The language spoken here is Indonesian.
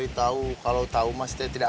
itu baru udah sih